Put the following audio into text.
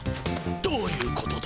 どういうことだ？